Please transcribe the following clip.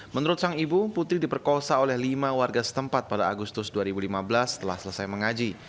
menurut sang ibu putri diperkosa oleh lima warga setempat pada agustus dua ribu lima belas setelah selesai mengaji